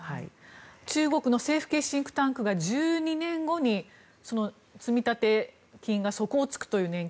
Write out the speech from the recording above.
中国の政府系シンクタンクが１２年後に年金の積立金が底を突くという。